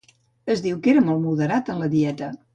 Es diu que era molt moderat en la dieta.